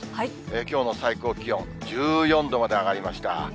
きょうの最高気温、１４度まで上がりました。